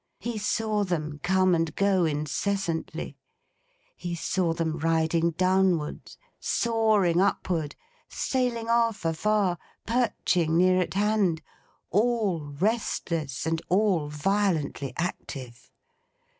He saw them come and go, incessantly. He saw them riding downward, soaring upward, sailing off afar, perching near at hand, all restless and all violently active.